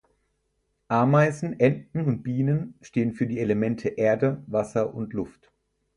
Ameisen, Enten und Bienen stehen für die Elemente Erde, Wasser und Luft.